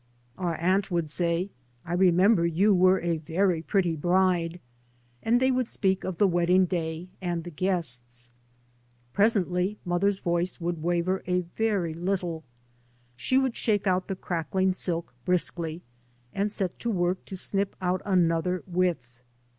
Our aunt 3 by Google MY MOTHER AN B I would say, " I remember you were a very pretty bride," and they would speak of the wedding day and the guests. Presently mother's voice would waver a very little. She would shake out the crackling silk briskly and set to work to snip out another width.